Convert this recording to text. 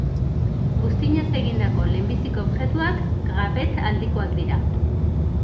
Buztinez egindako lehenbiziko objektuak Gravette aldikoak dira